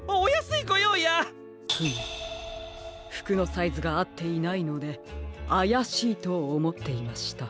フムふくのサイズがあっていないのであやしいとおもっていました。